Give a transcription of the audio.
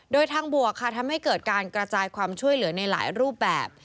โดยทางบวกค่ะทำให้เกิดการกระจายความช่วยเหลือในหลายรูปแบบ